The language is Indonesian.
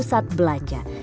dan beberapa pusat belanja